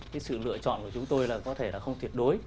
cái sự lựa chọn của chúng tôi là có thể là không thiệt đối